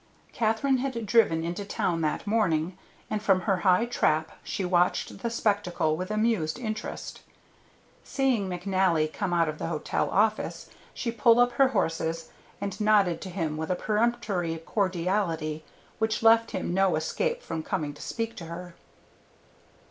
Katherine had driven into town that morning, and from her high trap she watched the spectacle with amused interest. Seeing McNally coming out of the hotel office she pulled up her horses and nodded to him with a peremptory cordiality which left him no escape from coming to speak to her.